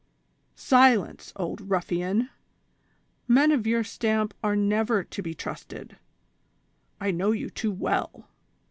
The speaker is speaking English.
" Silence, old ruffian ; men of your stamp are never to be trusted ; I know you too w'ell.